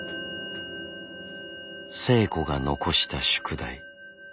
星子が残した宿題。